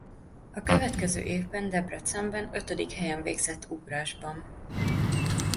A következő évben Debrecenben ötödik helyen végzett ugrásban.